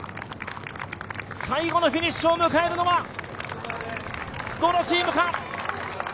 最後のフィニッシュを迎えるのはどのチームか。